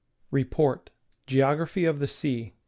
REPORT— GEOGRAPHY OF THE SEA.